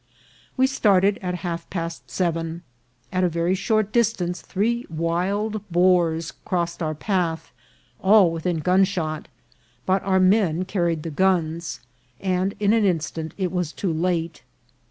We started at half past seven. At a very short dis tance three wild boars crossed our path, all within gun shot ; but our men carried the guns, and in an instant it was too late.